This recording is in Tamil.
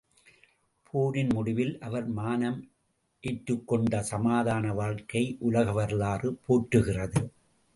போரின் முடிவில் அவர் மனம் ஏற்றுக்கொண்ட சமாதான வாழ்க்கையை உலக வரலாறு போற்றுகிறது.